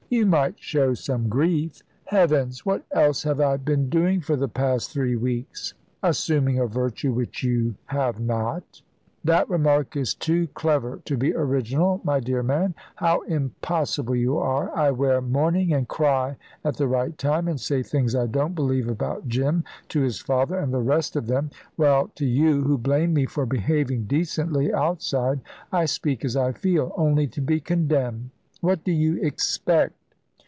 "You might show some grief." "Heavens! What else have I been doing for the past three weeks?" "Assuming a virtue which you have not." "That remark is too clever to be original, my dear man. How impossible you are! I wear mourning and cry at the right time, and say things I don't believe about Jim to his father and the rest of them; while to you, who blame me for behaving decently outside, I speak as I feel, only to be condemned. What do you expect?"